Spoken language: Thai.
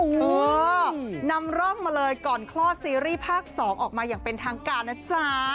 นำร่องมาเลยก่อนคลอดซีรีส์ภาค๒ออกมาอย่างเป็นทางการนะจ๊ะ